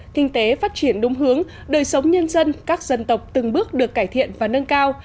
kinh tế phát triển đúng hướng đời sống nhân dân các dân tộc từng bước được cải thiện và nâng cao